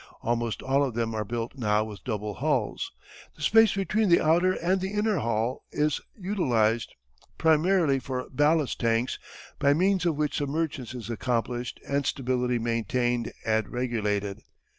Almost all of them are built now with double hulls. The space between the outer and the inner hull is utilized primarily for ballast tanks by means of which submergence is accomplished and stability maintained and regulated.